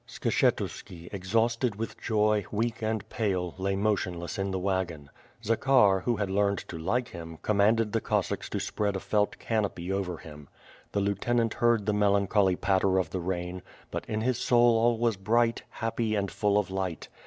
Skshetuski exhausted with joy, weak and pale, lay motion less in the wagon. Zakhar, who had learned to like him, commanded the Cossacks to spread a felt canopy over him. The lieutenant heard the melancholy patter of the rain, but in his soul all was bright, happy, and full of light.